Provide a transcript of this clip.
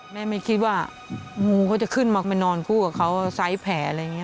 แม่ไม่คิดว่ามูก็จะขึ้นมาไปนอนคู่กับเขาซ้ายแผ่อะไรอย่างนี้